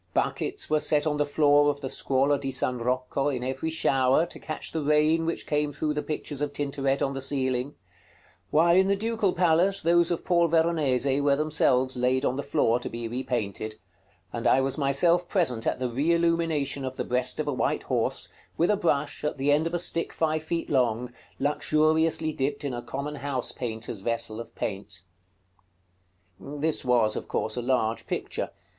Buckets were set on the floor of the Scuola di San Rocco, in every shower, to catch the rain which came through the pictures of Tintoret on the ceiling; while in the Ducal Palace, those of Paul Veronese were themselves laid on the floor to be repainted; and I was myself present at the re illumination of the breast of a white horse, with a brush, at the end of a stick five feet long, luxuriously dipped in a common house painter's vessel of paint. This was, of course, a large picture.